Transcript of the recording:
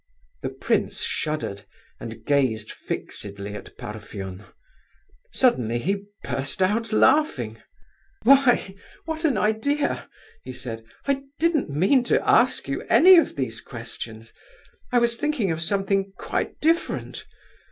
The prince shuddered, and gazed fixedly at Parfen. Suddenly he burst out laughing. "Why, what an idea!" he said. "I didn't mean to ask you any of these questions; I was thinking of something quite different!